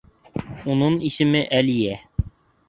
Унын исеме Әлиә